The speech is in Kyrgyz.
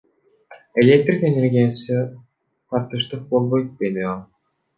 Электр энергиясына тартыштык болбойт, — деди ал.